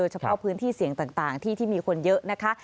เฉพาะพื้นที่เสี่ยงต่างที่มีคนเยอะนะคะ